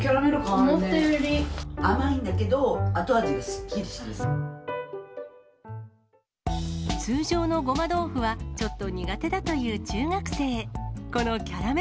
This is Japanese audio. えっ、甘いんだけど、通常のごま豆腐はちょっと苦手だという中学生。